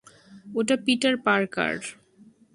ওটা Peter Parker.